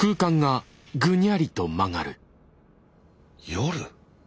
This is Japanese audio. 夜？